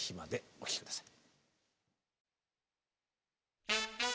お聴き下さい。